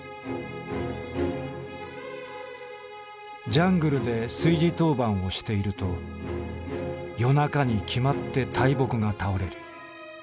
「ジャングルで炊事当番をしていると夜中にきまって大木がたおれる。